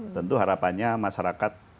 tentu harapannya masyarakat